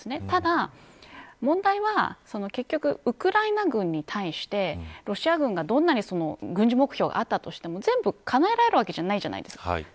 ただ、問題は結局、ウクライナ軍に対してロシア軍がどんなに軍事目標があったとしても全部かなえられるわけじゃないじゃないですか。